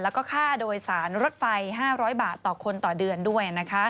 แล้วก็ค่าโดยสารรถไฟ๕๐๐บาทต่อคนต่อเดือนด้วย